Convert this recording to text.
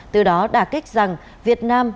từ đó đả kích rằng việt nam